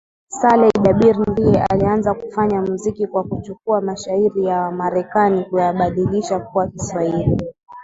Saleh Jabir ndiye alianza kufanya muziki kwa kuchukua mashairi ya wamarekani kuyabadilisha kuwa kiswahili